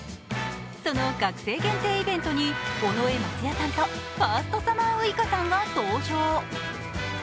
その学生限定イベントに尾上松也さんとファーストサマーウイカさんが登場。